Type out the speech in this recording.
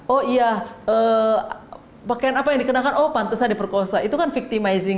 oh iya pakaian apa yang dikenakan oh pantesan diperkosa itu kan victimizing